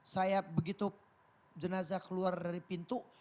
saya begitu jenazah keluar dari pintu